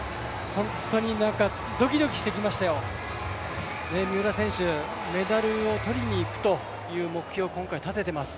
本当にどきどきしてきましたよ、メダルを取りに行くという目標を今回立ててます。